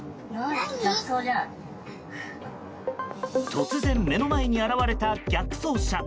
突然、目の前に現れた逆走車。